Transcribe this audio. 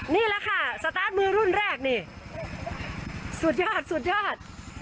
นี่แหละค่ะสตาร์ทมือรุ่นแรกนี่สุดยอดสุดยอด